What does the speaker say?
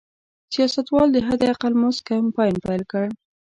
سیاستوالو د حداقل مزد کمپاین پیل کړ.